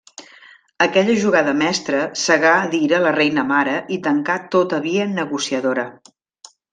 Aquella jugada mestra cegà d'ira la reina mare i tancà tota via negociadora.